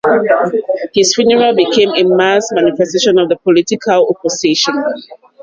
His funeral became a mass manifestation of the political opposition.